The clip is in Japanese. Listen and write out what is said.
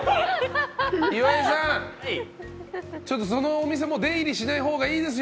岩井さん、そのお店出入りしないほうがいいですよ。